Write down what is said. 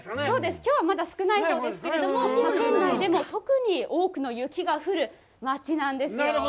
そうです、きょうはまだ少ないほうですけれども、県内でも特に多くの雪が降る町なんですよ。